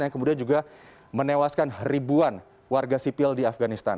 yang kemudian juga menewaskan ribuan warga sipil di afganistan